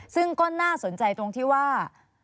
ซึ่งก็น่าสนใจตรงที่ว่า